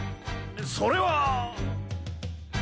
それは。